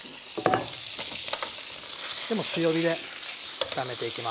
もう強火で炒めていきます。